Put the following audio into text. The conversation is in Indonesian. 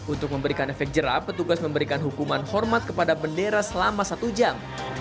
untuk memberikan efek jerah petugas memberikan hukuman hormat kepada bendera selama satu jam